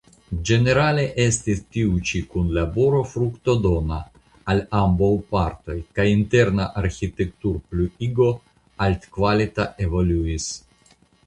Ĝenerale estis tiu ĉi kunlaboro fruktodona al ambaŭ partoj kaj interna arĥitekturpluigo altkvalita evoluis.